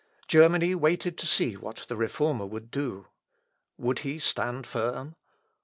Germany waited to see what the Reformer would do. Would he stand firm?